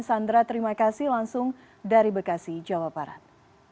sandra terima kasih langsung dari bekasi jawa barat